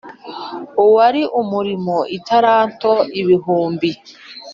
Uwari umurimo italanto ibihumbi